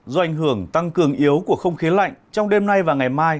do ảnh hưởng tăng cường yếu của không khí lạnh trong đêm nay và ngày mai